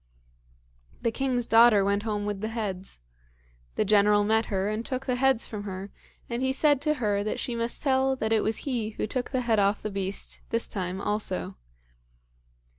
The king's daughter went home with the heads. The General met her, and took the heads from her, and he said to her that she must tell that it was he who took the head off the beast this time also.